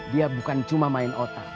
dia bukan cuma main otak